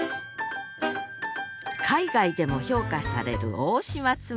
海外でも評価される大島紬。